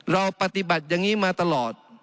เราปฏิบัติอย่างนี้มาตลอด